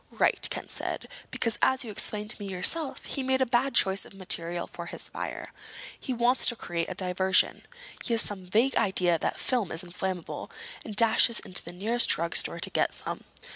"Right," Ken said. "Because, as you explained to me yourself, he made a bad choice of material for his fire. He wants to create a diversion. He has some vague idea that film is inflammable, and dashes into the nearest drugstore to get some.